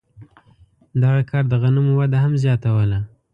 دغه کار د غنمو وده هم زیاتوله.